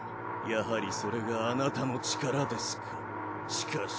やはりそれがあなたの力ですか。